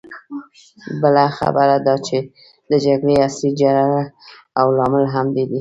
بله خبره دا چې د جګړې اصلي جرړه او لامل همدی دی.